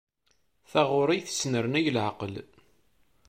Taɣuri tesnernay leɛqel.